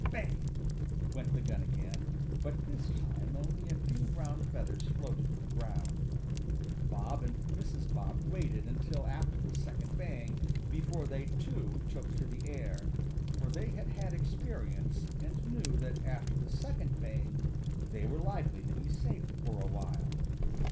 "Bang!" went the gun again, but this time only a few brown feathers floated to the ground. Bob and Mrs. Bob waited until after the second bang before they too took to the air, for they had had experience and knew that after the second bang they were likely to be safe for a while.